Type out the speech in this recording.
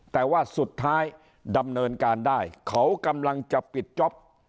แต่ว่าสุดท้ายดำเนินการได้เขากำลังจะปิดจ๊อป